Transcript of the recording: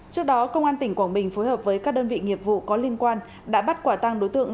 trước đó công an tỉnh quảng bình phối hợp với các đơn vị nghiệp vụ có liên quan đã bắt quả tăng đối tượng